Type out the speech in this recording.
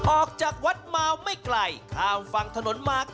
ออกจากวัดเมาไม่ไกลถ้าฟังถนนมาก